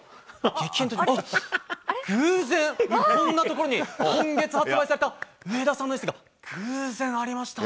激変って、あっ、偶然、こんなところに、今月発売された上田さんのエッセーが、偶然ありました。